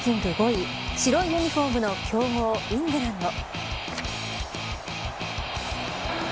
５位白いユニホームの強豪、イングランド。